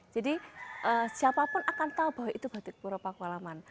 jadi siapa pun akan tahu bahwa itu batik puro paku alaman